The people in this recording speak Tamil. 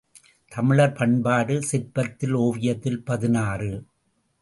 தமிழர் பண்பாடு சிற்பத்தில் ஓவியத்தில் பதினாறு .